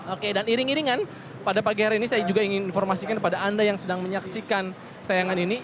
oke dan iring iringan pada pagi hari ini saya juga ingin informasikan kepada anda yang sedang menyaksikan tayangan ini